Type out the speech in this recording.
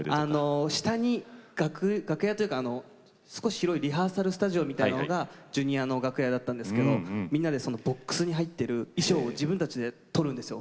下に楽屋というか少し広いリハーサルスタジオみたいなのがＪｒ．の楽屋だったんですけどみんなでボックスに入ってる衣装を自分たちで取るんですよ。